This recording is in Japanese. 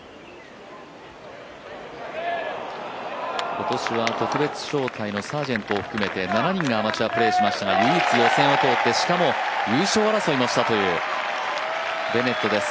今年は特別招待のサージェントを含めて７人がアマチュアでプレーしましたが、しかも、優勝争いもしたというベネットです。